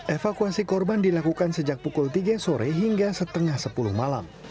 evakuasi korban dilakukan sejak pukul tiga sore hingga setengah sepuluh malam